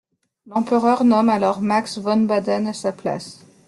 L'empereur nomme alors Max von Baden à sa place.